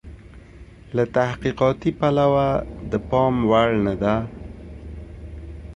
له تحقیقاتي پلوه د پام وړ نه ده.